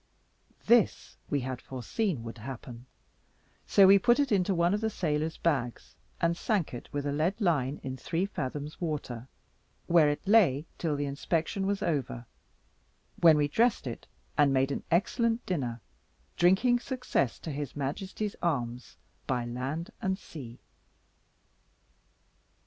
This we had foreseen would happen, so we put it into one of the sailor's bags, and sank it with a lead line in three fathoms water, where it lay till the inspection was over, when we dressed it, and made an excellent dinner, drinking success to His Majesty's arms by land and sea.